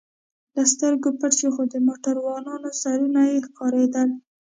له سترګو پټ شو، خو د موټروانانو سرونه یې ښکارېدل.